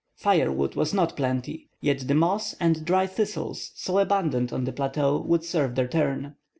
Firewood was not plenty, yet the moss and dry thistles, so abundant on the plateau, would serve their turn.